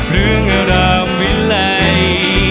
เรื่องอร่ำวิไลน์